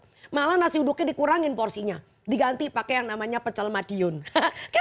sama sama makan nasi uduk malah nasi uduknya dikurangin porsinya diganti pakai yang namanya pecel madiun kan lebih murah ya kan